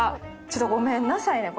ちょっとごめんなさいね